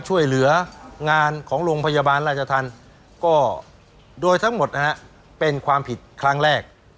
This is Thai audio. ช่วยเหลืองานของโรงพยาบาลราชธรรมก็โดยทั้งหมดนะฮะเป็นความผิดครั้งแรก